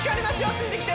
ついてきて！